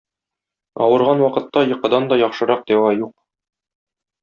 Авырган вакытта йокыдан да яхшырак дәва юк.